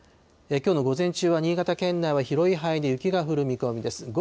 きょうの午前中は新潟県内は広い範囲で雪が降る見込みです。